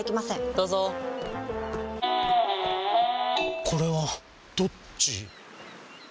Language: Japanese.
どうぞこれはどっち？